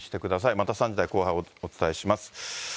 また３時台後半にお伝えします。